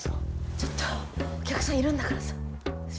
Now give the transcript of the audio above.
ちょっとお客さんいるんだからさ。